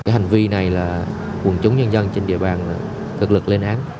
hành vi này là quần chúng nhân dân trên địa bàn cực lực lên án